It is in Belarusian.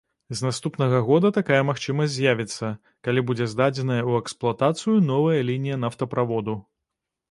З наступнага года такая магчымасць з'явіцца, калі будзе здадзеная ў эксплуатацыю новая лінія нафтаправоду.